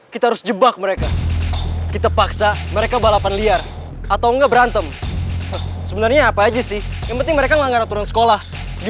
ketahuan orang sekolah terus ya di deo lagi